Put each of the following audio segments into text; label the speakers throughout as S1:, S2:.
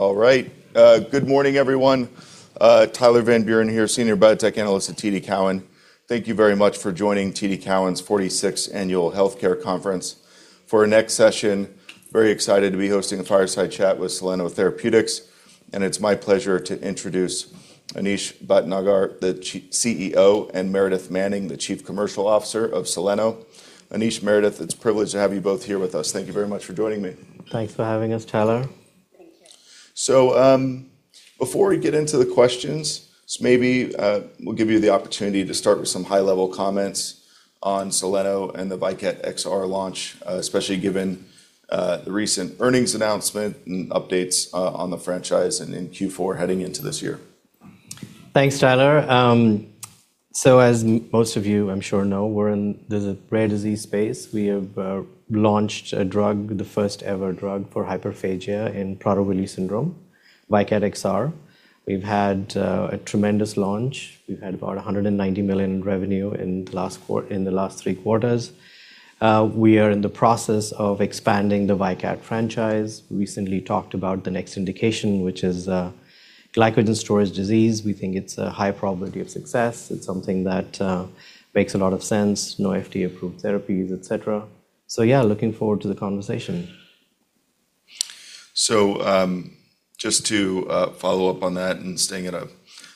S1: Good morning, everyone. Tyler Van Buren here, Senior Biotech Analyst at TD Cowen. Thank you very much for joining TD Cowen's 46th Annual Healthcare Conference. For our next session, very excited to be hosting a fireside chat with Soleno Therapeutics. It's my pleasure to introduce Anish Bhatnagar, CEO, and Meredith Manning, the Chief Commercial Officer of Soleno. Anish, Meredith, it's a privilege to have you both here with us. Thank you very much for joining me.
S2: Thanks for having us, Tyler.
S1: Before we get into the questions maybe we'll give you the opportunity to start with some high-level comments on Soleno and the VYKAT XR launch, especially given the recent earnings announcement and updates, on the franchise and in Q4 heading into this year.
S2: Thanks, Tyler. As most of you I'm sure know, there's a rare disease space. We have launched a drug, the first ever drug for hyperphagia in Prader-Willi syndrome, VYKAT XR. We've had a tremendous launch. We've had about $190 million in revenue in the last three quarters. We are in the process of expanding the VYKAT franchise. We recently talked about the next indication, which is glycogen storage disease. We think it's a high probability of success. It's something that makes a lot of sense, no FDA-approved therapies, et cetera. Yeah, looking forward to the conversation.
S1: Just to follow up on that and staying at a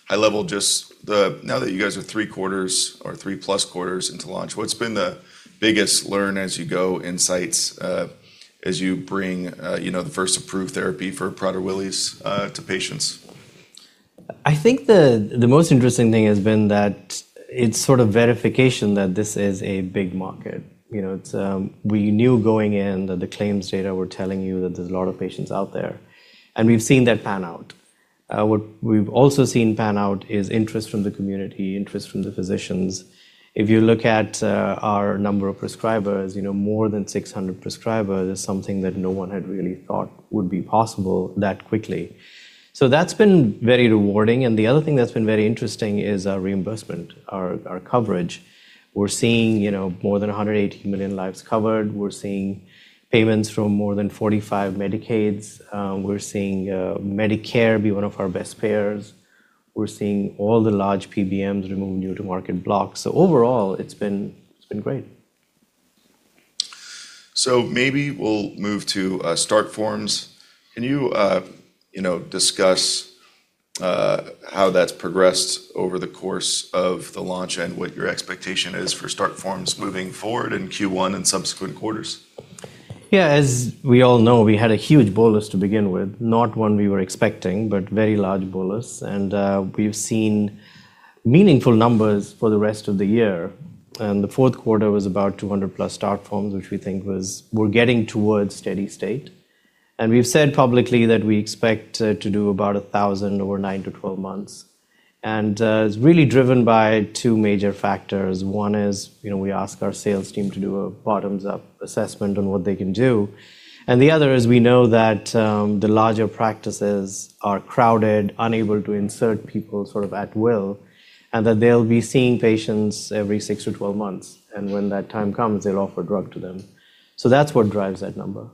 S1: high level, now that you guys are three quarters or three-plus quarters into launch, what's been the biggest learn-as-you-go insights, as you bring, you know, the first approved therapy for Prader-Willi syndrome to patients?
S2: I think the most interesting thing has been that it's sort of verification that this is a big market. You know, it's. We knew going in that the claims data were telling you that there's a lot of patients out there, and we've seen that pan out. What we've also seen pan out is interest from the community, interest from the physicians. If you look at our number of prescribers, you know, more than 600 prescribers is something that no one had really thought would be possible that quickly. That's been very rewarding, and the other thing that's been very interesting is our reimbursement, our coverage. We're seeing, you know, more than 180 million lives covered. We're seeing payments from more than 45 Medicaid. We're seeing Medicare be one of our best payers. We're seeing all the large PBMs remove new-to-market blocks. Overall, it's been great.
S1: Maybe we'll move to start forms. Can you know, discuss how that's progressed over the course of the launch and what your expectation is for start forms moving forward in Q1 and subsequent quarters?
S2: Yeah, as we all know, we had a huge bolus to begin with, not one we were expecting, but very large bolus, and we've seen meaningful numbers for the rest of the year. The fourth quarter was about 200+ start forms, which we think we're getting towards steady-state. We've said publicly that we expect to do about 1,000 over nine to 12 months. It's really driven by two major factors. One is, you know, we ask our sales team to do a bottoms-up assessment on what they can do. The other is we know that the larger practices are crowded, unable to insert people sort of at will, and that they'll be seeing patients every six to 12 months. When that time comes, they'll offer drug to them. That's what drives that number.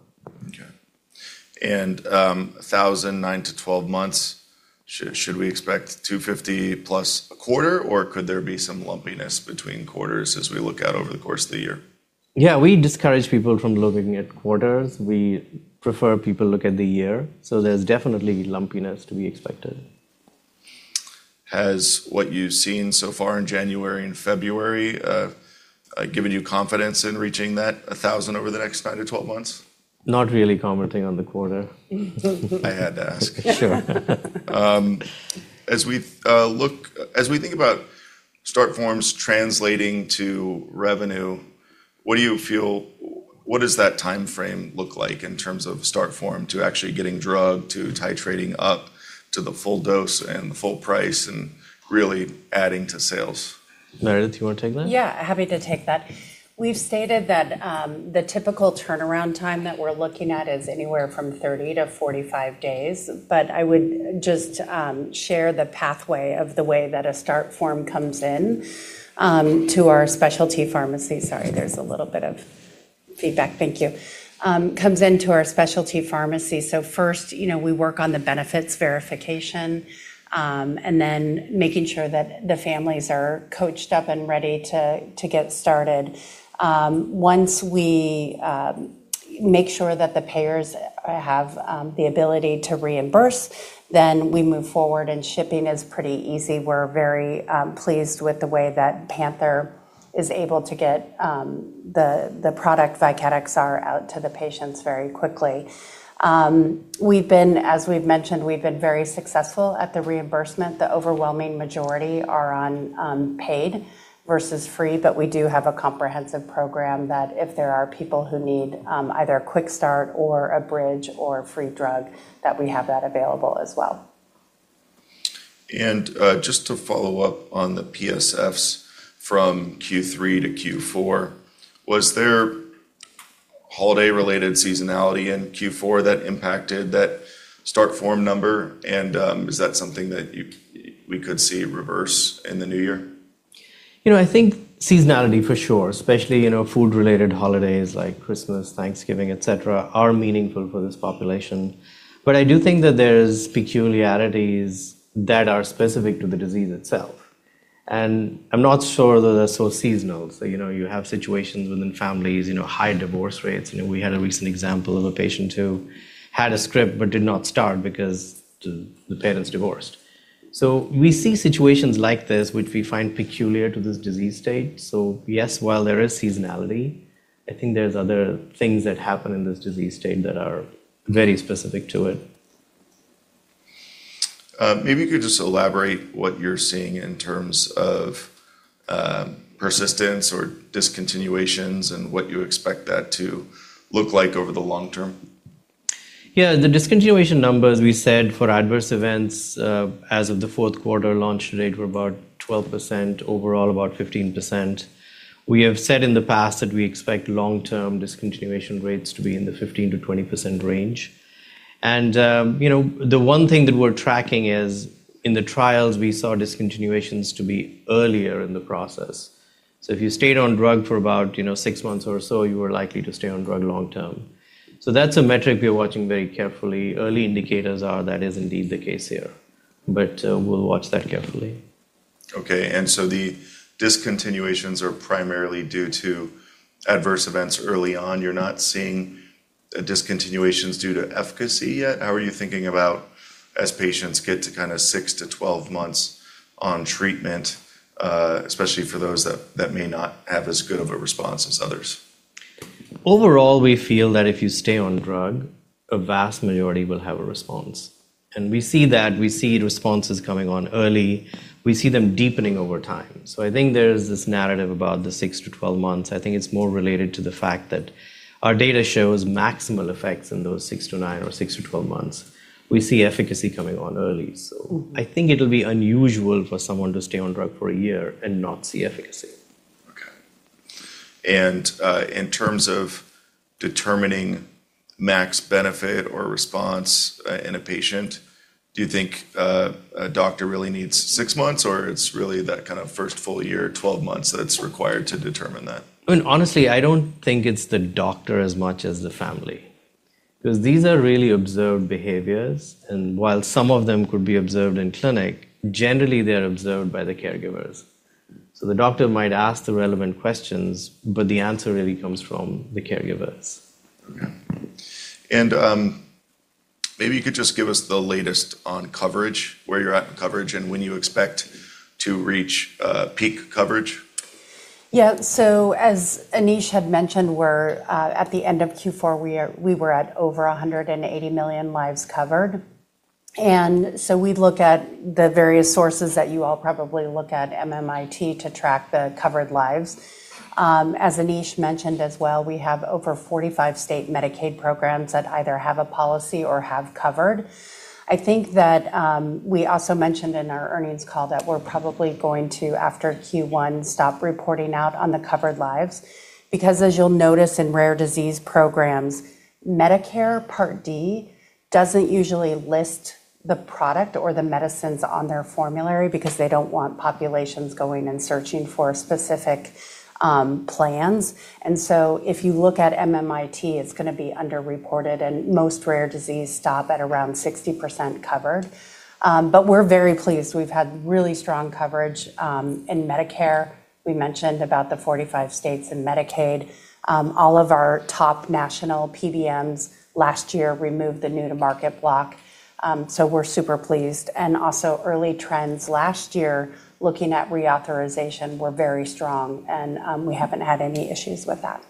S1: Okay. 1,000, nine to 12 months, should we expect $250+ a quarter, or could there be some lumpiness between quarters as we look out over the course of the year?
S2: Yeah, we discourage people from looking at quarters. We prefer people look at the year. There's definitely lumpiness to be expected.
S1: Has what you've seen so far in January and February, given you confidence in reaching that 1,000 over the next nine to 12 months?
S2: Not really commenting on the quarter.
S1: I had to ask.
S2: Sure.
S1: As we think about start forms translating to revenue, what does that timeframe look like in terms of start form to actually getting drug to titrating up to the full dose and the full price and really adding to sales?
S2: Meredith, do you want to take that?
S3: Yeah, happy to take that. We've stated that the typical turnaround time that we're looking at is anywhere from 30 to 45 days. I would just share the pathway of the way that a start form comes in to our specialty pharmacy. Sorry, there's a little bit of feedback. Thank you. Comes into our specialty pharmacy. First, you know, we work on the benefits verification, and then making sure that the families are coached up and ready to get started. Once we make sure that the payers have the ability to reimburse, then we move forward, and shipping is pretty easy. We're very pleased with the way that Panther is able to get the product VYKAT XR out to the patients very quickly. As we've mentioned, we've been very successful at the reimbursement. The overwhelming majority are on paid versus free, but we do have a comprehensive program that if there are people who need either a quick start or a bridge or free drug, that we have that available as well.
S1: Just to follow up on the PSFs from Q3 to Q4, was there holiday-related seasonality in Q4 that impacted that start form number? Is that something that we could see reverse in the new year?
S2: You know, I think seasonality for sure, especially, you know, food-related holidays like Christmas, Thanksgiving, et cetera, are meaningful for this population. I do think that there's peculiarities that are specific to the disease itself. I'm not sure that they're so seasonal. You know, you have situations within families, you know, high divorce rates. You know, we had a recent example of a patient who had a script but did not start because the parents divorced. We see situations like this, which we find peculiar to this disease state. Yes, while there is seasonality, I think there's other things that happen in this disease state that are very specific to it.
S1: Maybe you could just elaborate what you're seeing in terms of persistence or discontinuations and what you expect that to look like over the long term.
S2: Yeah. The discontinuation numbers we said for adverse events, as of the fourth quarter launch date were about 12%, overall about 15%. We have said in the past that we expect long-term discontinuation rates to be in the 15%-20% range. You know, the one thing that we're tracking is in the trials we saw discontinuations to be earlier in the process. If you stayed on drug for about, you know, 6 months or so, you were likely to stay on drug long term. That's a metric we're watching very carefully. Early indicators are that is indeed the case here, but we'll watch that carefully.
S1: Okay. The discontinuations are primarily due to adverse events early on. You're not seeing discontinuations due to efficacy yet? How are you thinking about as patients get to kinda six to 12 months on treatment, especially for those that may not have as good of a response as others?
S2: Overall, we feel that if you stay on drug, a vast majority will have a response. We see that. We see responses coming on early. We see them deepening over time. I think there's this narrative about the six to 12 months. I think it's more related to the fact that our data shows maximal effects in those six to nine or six to 12 months. We see efficacy coming on early. I think it'll be unusual for someone to stay on drug for a year and not see efficacy.
S1: Okay. In terms of determining max benefit or response in a patient, do you think a doctor really needs six months, or it's really that kind of first full year, 12 months that's required to determine that?
S2: I mean, honestly, I don't think it's the doctor as much as the family, because these are really observed behaviors, and while some of them could be observed in clinic, generally they're observed by the caregivers. The doctor might ask the relevant questions, but the answer really comes from the caregivers.
S1: Okay. Maybe you could just give us the latest on coverage, where you're at in coverage and when you expect to reach, peak coverage.
S3: As Anish had mentioned, we're at the end of Q4, we were at over 180 million lives covered. We've looked at the various sources that you all probably look at, MMIT, to track the covered lives. As Anish mentioned as well, we have over 45 state Medicaid programs that either have a policy or have covered. I think that we also mentioned in our earnings call that we're probably going to, after Q1, stop reporting out on the covered lives. As you'll notice in rare disease programs, Medicare Part D doesn't usually list the product or the medicines on their formulary because they don't want populations going and searching for specific plans. If you look at MMIT, it's gonna be underreported, and most rare disease stop at around 60% covered. We're very pleased. We've had really strong coverage in Medicare. We mentioned about the 45 states in Medicaid. All of our top national PBMs last year removed the new-to-market block. We're super pleased. Also early trends last year looking at reauthorization were very strong. We haven't had any issues with that.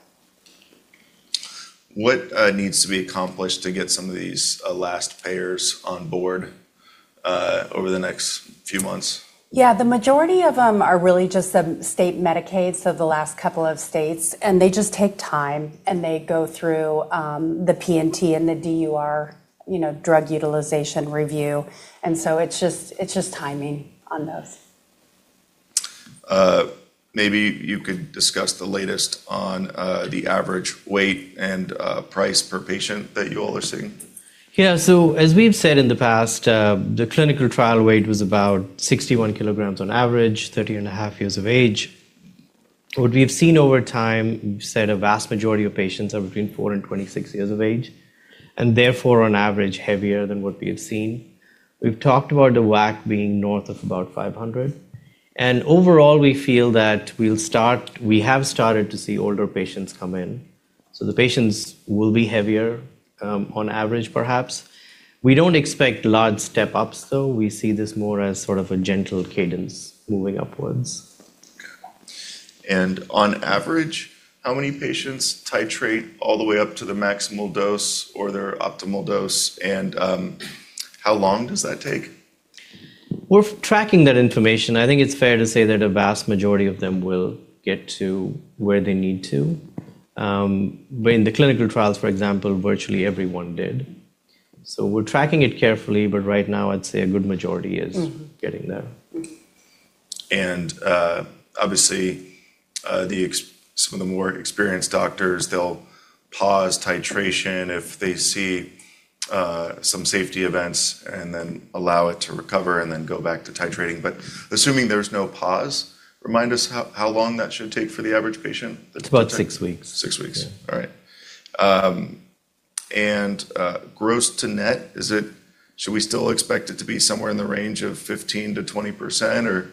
S1: What needs to be accomplished to get some of these last payers on board over the next few months?
S3: Yeah. The majority of them are really just some state Medicaid of the last couple of states. They just take time. They go through the P&T and the DUR, you know, Drug Utilization Review. It's just timing on those.
S1: Maybe you could discuss the latest on the average weight and price per patient that you all are seeing?
S2: As we've said in the past, the clinical trial weight was about 61 kg on average, 30.5 years of age. What we have seen over time, we've said a vast majority of patients are between four and 26 years of age, and therefore on average heavier than what we have seen. We've talked about the WAC being north of about $500. Overall we feel that we have started to see older patients come in, so the patients will be heavier, on average perhaps. We don't expect large step-ups though. We see this more as sort of a gentle cadence moving upwards.
S1: Okay. On average, how many patients titrate all the way up to the maximal dose or their optimal dose? How long does that take?
S2: We're tracking that information. I think it's fair to say that a vast majority of them will get to where they need to. In the clinical trials, for example, virtually everyone did. We're tracking it carefully, but right now I'd say a good majority is getting there.
S1: Obviously, some of the more experienced doctors, they'll pause titration if they see, some safety events and then allow it to recover and then go back to titrating. Assuming there's no pause, remind us how long that should take for the average patient.
S2: It's about six weeks.
S1: Six weeks.
S2: Yeah.
S1: All right. Gross-to-net, should we still expect it to be somewhere in the range of 15%-20%, or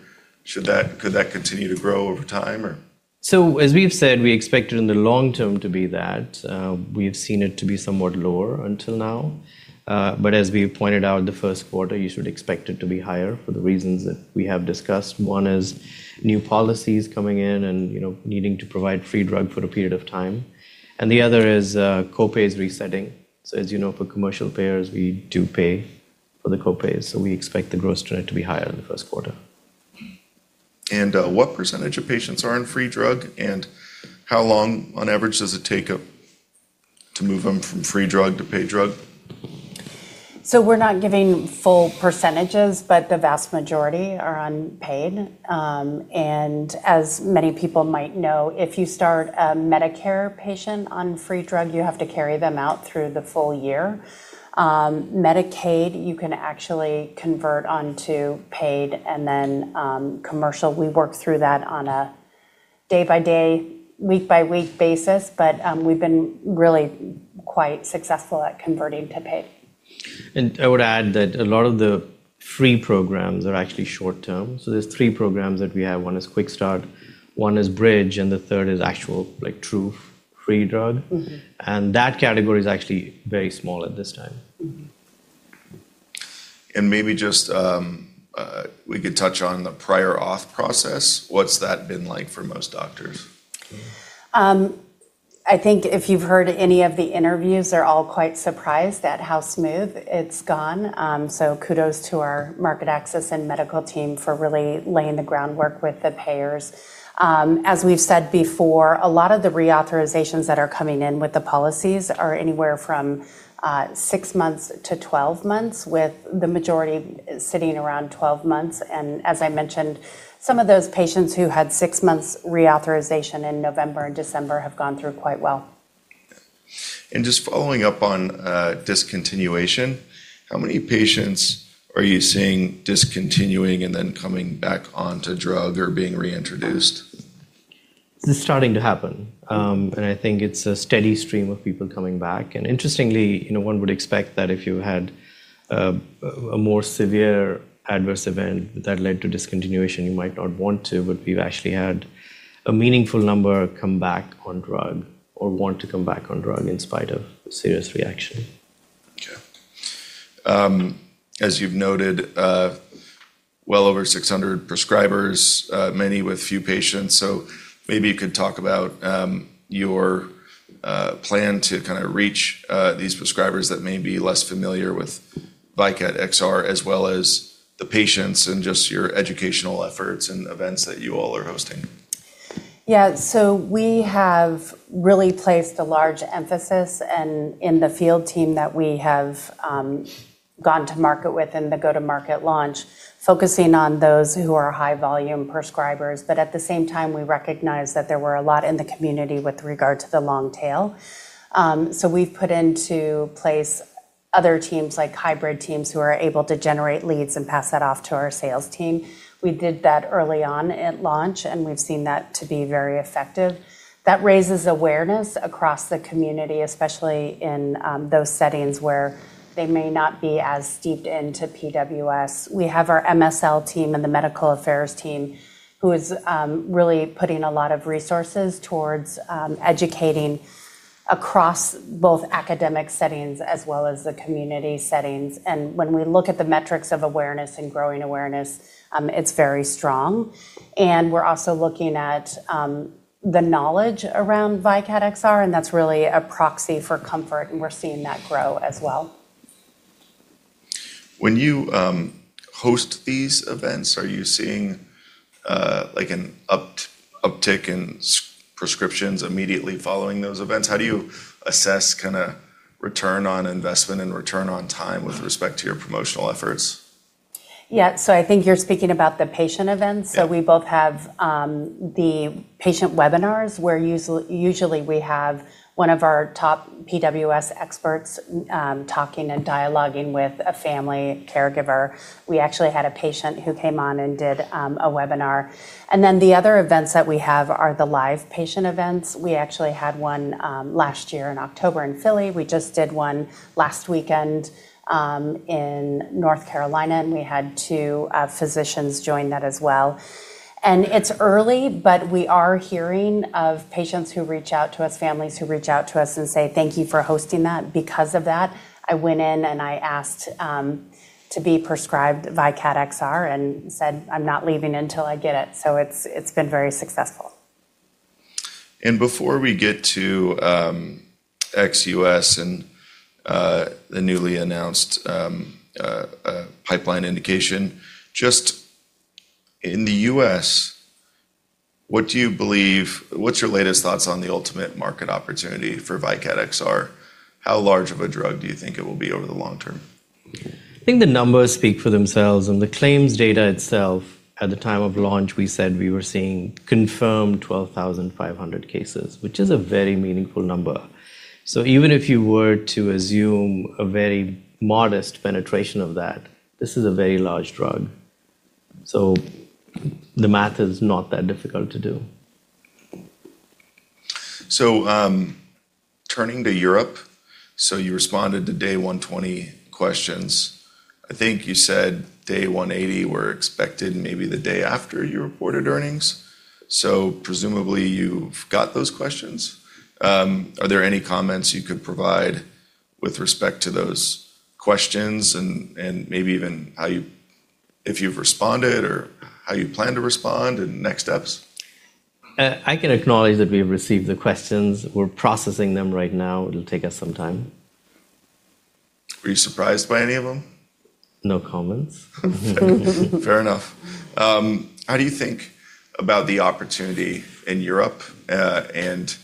S1: could that continue to grow over time or?
S2: As we have said, we expect it in the long term to be that. We have seen it to be somewhat lower until now. As we pointed out in the first quarter, you should expect it to be higher for the reasons that we have discussed. One is new policies coming in and, you know, needing to provide free drug for a period of time, and the other is copays resetting. As you know, for commercial payers, we do pay for the copays, so we expect the gross trend to be higher in the first quarter.
S1: What % of patients are on free drug, and how long on average does it take to move them from free drug to paid drug?
S3: We're not giving full percentages, but the vast majority are on paid. As many people might know, if you start a Medicare patient on free drug, you have to carry them out through the full year. Medicaid, you can actually convert onto paid and then commercial. We work through that on a day-by-day, week-by-week basis, but we've been really quite successful at converting to paid.
S2: I would add that a lot of the free programs are actually short-term. There's three programs that we have. One is Quick Start, One is Bridge, and the third is actual like true free drug.
S3: Mm-hmm.
S2: That category is actually very small at this time.
S3: Mm-hmm.
S1: Maybe just, we could touch on the prior authorization process. What's that been like for most doctors?
S3: I think if you've heard any of the interviews, they're all quite surprised at how smooth it's gone. Kudos to our market access and medical team for really laying the groundwork with the payers. As we've said before, a lot of the reauthorizations that are coming in with the policies are anywhere from six months to 12 months, with the majority sitting around 12 months. As I mentioned, some of those patients who had 6 months reauthorization in November and December have gone through quite well.
S1: Just following up on discontinuation, how many patients are you seeing discontinuing and then coming back onto drug or being reintroduced?
S2: This is starting to happen. I think it's a steady stream of people coming back. Interestingly, you know, one would expect that if you had a more severe adverse event that led to discontinuation, you might not want to, but we've actually had a meaningful number come back on drug or want to come back on drug in spite of serious reaction.
S1: Okay. As you've noted, well over 600 prescribers, many with few patients. Maybe you could talk about your plan to kind of reach these prescribers that may be less familiar with VYKAT XR as well as the patients and just your educational efforts and events that you all are hosting.
S3: Yeah. We have really placed a large emphasis and in the field team that we have gone to market with in the go-to-market launch, focusing on those who are high-volume prescribers. At the same time, we recognize that there were a lot in the community with regard to the long tail. We've put into place other teams like hybrid teams who are able to generate leads and pass that off to our sales team. We did that early on at launch, and we've seen that to be very effective. That raises awareness across the community, especially in those settings where they may not be as steeped into PWS. We have our MSL team and the medical affairs team who is really putting a lot of resources towards educating across both academic settings as well as the community settings. When we look at the metrics of awareness and growing awareness, it's very strong. We're also looking at the knowledge around VYKAT XR, and that's really a proxy for comfort, and we're seeing that grow as well.
S1: When you host these events, are you seeing like an uptick in prescriptions immediately following those events? How do you assess kinda return on investment and return on time with respect to your promotional efforts?
S3: Yeah. I think you're speaking about the patient events.
S1: Yeah.
S3: We both have the patient webinars where usually we have one of our top PWS experts talking and dialoguing with a family caregiver. We actually had a patient who came on and did a webinar. The other events that we have are the live patient events. We actually had one last year in October in Philly. We just did one last weekend in North Carolina, and we had two physicians join that as well. It's early, but we are hearing of patients who reach out to us, families who reach out to us and say, "Thank you for hosting that. Because of that, I went in and I asked to be prescribed VYKAT XR," and said, "I'm not leaving until I get it." It's been very successful.
S1: Before we get to, ex-U.S. and, the newly announced, pipeline indication, just in the U.S., What's your latest thoughts on the ultimate market opportunity for VYKAT XR? How large of a drug do you think it will be over the long term?
S2: I think the numbers speak for themselves, and the claims data itself at the time of launch, we said we were seeing confirmed 12,500 cases, which is a very meaningful number. Even if you were to assume a very modest penetration of that, this is a very large drug. The math is not that difficult to do.
S1: Turning to Europe, you responded to Day 120 questions. I think you said Day 180 were expected maybe the day after you reported earnings. Presumably you've got those questions. Are there any comments you could provide with respect to those questions and maybe even how you've responded or how you plan to respond, and next steps?
S2: I can acknowledge that we've received the questions. We're processing them right now. It'll take us some time.
S1: Were you surprised by any of them?
S2: No comments.
S1: Fair enough. How do you think about the opportunity in Europe, and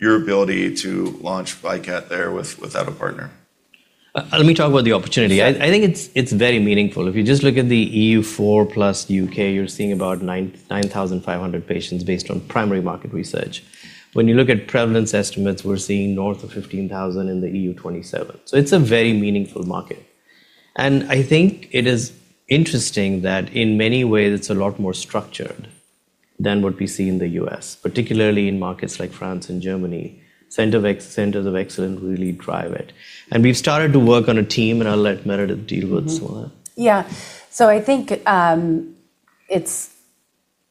S1: your ability to launch VYKAT XR there without a partner?
S2: Let me talk about the opportunity. I think it's very meaningful. If you just look at the EU 4 plus U.K., you're seeing about 9,500 patients based on primary market research. When you look at prevalence estimates, we're seeing north of 15,000 in the EU 27. It's a very meaningful market. I think it is interesting that in many ways it's a lot more structured than what we see in the U.S., particularly in markets like France and Germany. Centers of excellence really drive it. We've started to work on a team, and I'll let Meredith deal with some of that.
S3: Yeah. I think it's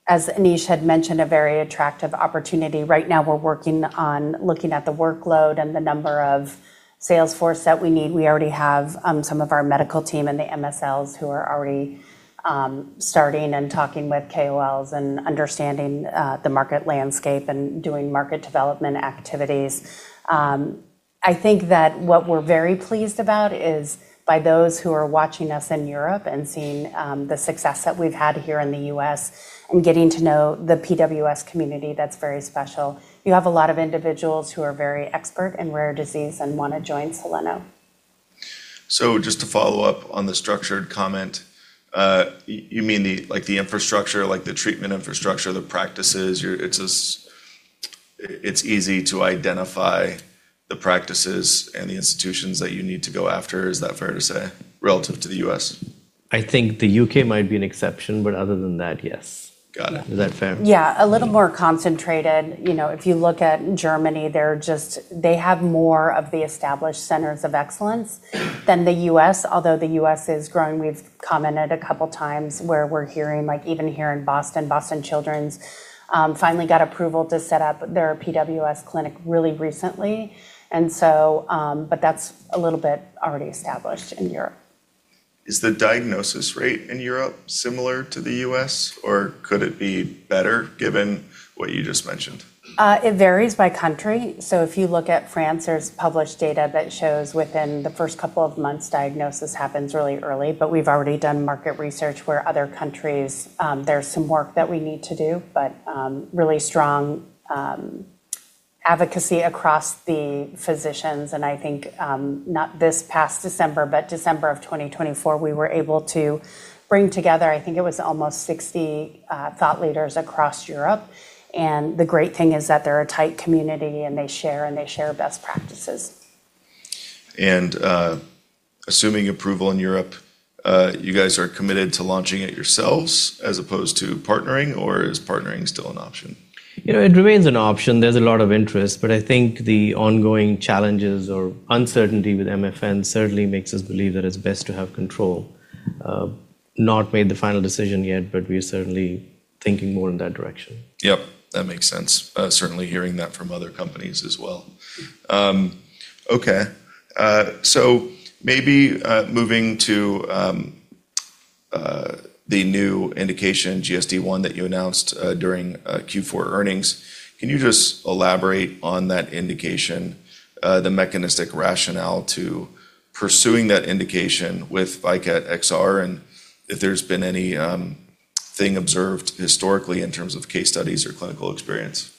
S3: as Anish had mentioned, a very attractive opportunity. Right now we're working on looking at the workload and the number of sales force that we need. We already have some of our medical team and the MSLs who are already starting and talking with KOLs and understanding the market landscape and doing market development activities. I think that what we're very pleased about is by those who are watching us in Europe and seeing the success that we've had here in the U.S. and getting to know the PWS community, that's very special. You have a lot of individuals who are very expert in rare disease and wanna join Soleno.
S1: Just to follow up on the structured comment, you mean like the infrastructure, like the treatment infrastructure, the practices, it's easy to identify the practices and the institutions that you need to go after. Is that fair to say relative to the U.S.?
S2: I think the U.K. might be an exception, but other than that, yes.
S1: Got it.
S2: Is that fair?
S3: Yeah. A little more concentrated. You know, if you look at Germany, they have more of the established centers of excellence than the U.S. although the U.S. is growing. We've commented a couple times where we're hearing, like even here in Boston Children's, finally got approval to set up their PWS clinic really recently. That's a little bit already established in Europe.
S1: Is the diagnosis rate in Europe similar to the U.S., or could it be better given what you just mentioned?
S3: It varies by country. If you look at France, there's published data that shows within the first couple of months, diagnosis happens really early. We've already done market research where other countries, there's some work that we need to do, but really strong advocacy across the physicians. I think not this past December, but December of 2024, we were able to bring together, I think it was almost 60 thought leaders across Europe. The great thing is that they're a tight community, and they share, and they share best practices.
S1: Assuming approval in Europe, you guys are committed to launching it yourselves as opposed to partnering, or is partnering still an option?
S2: You know, it remains an option. There's a lot of interest, but I think the ongoing challenges or uncertainty with MFN certainly makes us believe that it's best to have control. Not made the final decision yet, but we are certainly thinking more in that direction.
S1: Yep, that makes sense. Certainly hearing that from other companies as well. Okay. Maybe moving to the new indication GSD1 that you announced during Q4 earnings. Can you just elaborate on that indication, the mechanistic rationale to pursuing that indication with VYKAT XR and if there's been any thing observed historically in terms of case studies or clinical experience?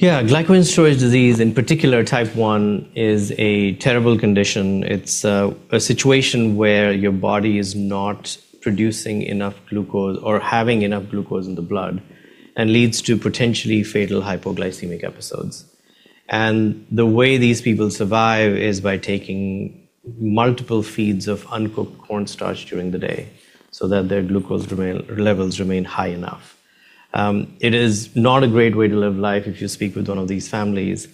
S2: glycogen storage disease, in particular Type 1, is a terrible condition. It's a situation where your body is not producing enough glucose or having enough glucose in the blood and leads to potentially fatal hypoglycemic episodes. The way these people survive is by taking multiple feeds of uncooked cornstarch during the day so that their glucose levels remain high enough. It is not a great way to live life if you speak with one of these families.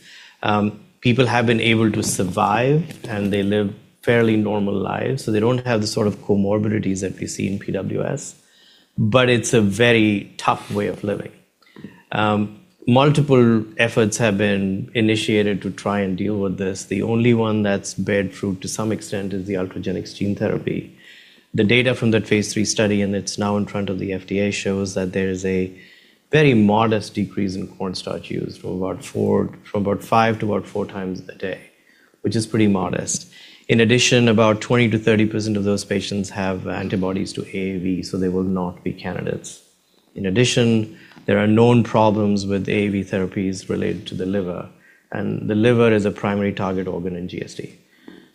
S2: People have been able to survive, and they live fairly normal lives, so they don't have the sort of comorbidities that we see in PWS, but it's a very tough way of living. Multiple efforts have been initiated to try and deal with this. The only one that's bear fruit to some extent is the Ultragenyx gene therapy. The data from that phase III study, it's now in front of the FDA, shows that there is a very modest decrease in cornstarch use from about five to about four times a day, which is pretty modest. In addition, about 20%-30% of those patients have antibodies to AAV, so they will not be candidates. In addition, there are known problems with AAV therapies related to the liver, and the liver is a primary target organ in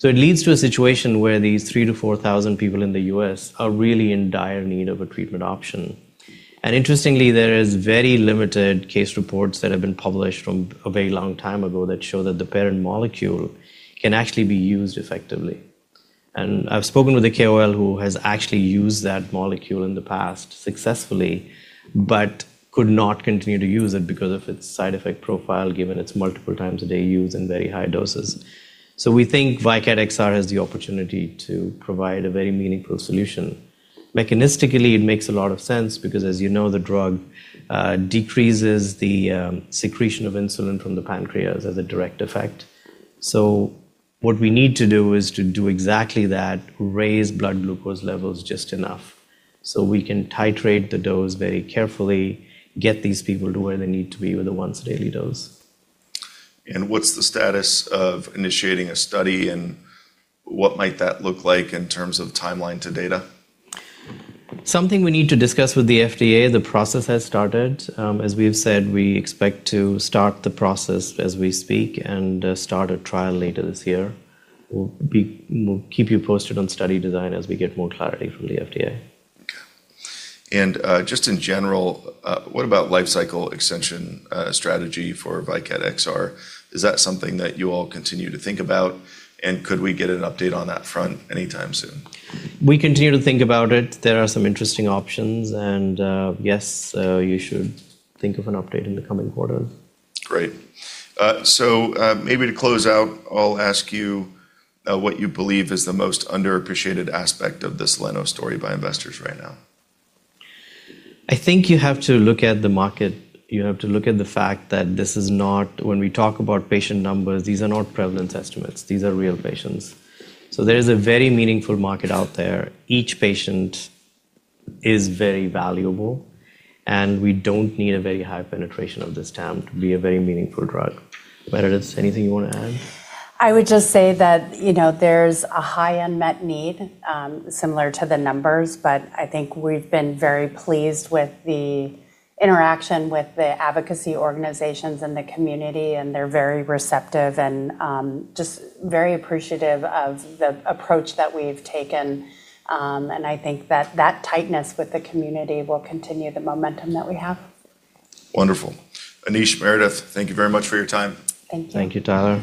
S2: GSD. It leads to a situation where these 3,000-4,000 people in the U.S. are really in dire need of a treatment option. Interestingly, there is very limited case reports that have been published from a very long time ago that show that the parent molecule can actually be used effectively. I've spoken with a KOL who has actually used that molecule in the past successfully, but could not continue to use it because of its side effect profile, given its multiple times a day use and very high doses. We think VYKAT XR has the opportunity to provide a very meaningful solution. Mechanistically, it makes a lot of sense because as you know, the drug decreases the secretion of insulin from the pancreas as a direct effect. What we need to do is to do exactly that, raise blood glucose levels just enough, so we can titrate the dose very carefully, get these people to where they need to be with a once daily dose.
S1: What's the status of initiating a study, and what might that look like in terms of timeline to data?
S2: Something we need to discuss with the FDA. The process has started. As we have said, we expect to start the process as we speak and start a trial later this year. We'll keep you posted on study design as we get more clarity from the FDA.
S1: Okay. Just in general, what about life cycle extension, strategy for VYKAT XR? Is that something that you all continue to think about? Could we get an update on that front anytime soon?
S2: We continue to think about it. There are some interesting options, and, yes, you should think of an update in the coming quarters.
S1: Great. Maybe to close out, I'll ask you what you believe is the most underappreciated aspect of the Soleno story by investors right now.
S2: I think you have to look at the market. You have to look at the fact that when we talk about patient numbers, these are not prevalence estimates. These are real patients. There is a very meaningful market out there. Each patient is very valuable. We don't need a very high penetration of this TAM to be a very meaningful drug. Meredith, anything you wanna add?
S3: I would just say that, you know, there's a high unmet need, similar to the numbers, but I think we've been very pleased with the interaction with the advocacy organizations and the community, and they're very receptive and just very appreciative of the approach that we've taken. I think that that tightness with the community will continue the momentum that we have.
S1: Wonderful. Anish, Meredith, thank you very much for your time.
S3: Thank you.
S2: Thank you, Tyler.